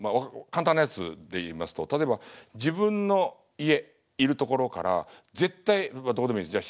簡単なやつで言いますと例えば自分の家いる所から絶対どこでもいいんです。